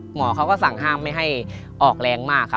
หมอเขาก็สั่งห้ามไม่ให้ออกแรงมากครับ